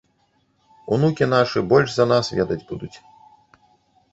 Унукі нашы больш за нас ведаць будуць.